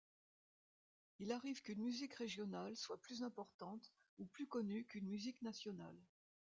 Il arrive qu'une musique régionale soit plus importante ou plus connue qu'une musique nationale.